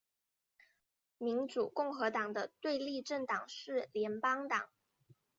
民主共和党的对立政党是联邦党。